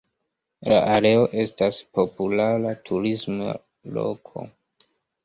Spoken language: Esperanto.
La areo estas populara turisma loko.